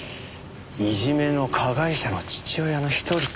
いじめの加害者の父親の一人か。